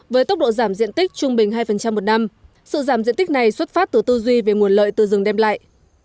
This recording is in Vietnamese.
với tốc độ giảm diện tích trung bình hai một năm sự giảm diện tích này xuất phát từ tư duy về nguồn lợi từ rừng đem lại